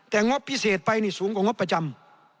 แต่งบพิเศษไปนี่สูงกว่างบประจำ